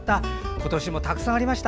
今年もたくさんありました。